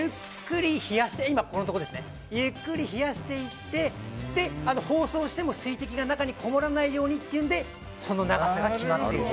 なので、ゆっくり冷やしていって包装しても水滴が中にこもらないようにというのでその長さが決まっている。